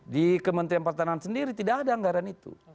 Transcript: di kementerian pertahanan sendiri tidak ada anggaran itu